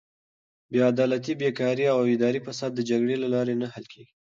بېعدالتي، بېکاري او اداري فساد د جګړې له لارې نه حل کیږي.